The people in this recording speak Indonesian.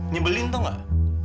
nyebelin tau nggak